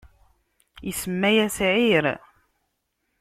isemma-yas Ɛir.